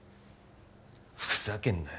ふざけんなよ